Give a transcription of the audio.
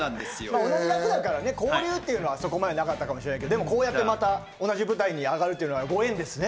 同じ役だからそこまで交流はなかったかもしれないけど、こうやってまた同じ舞台に上がるっていうのはご縁ですね。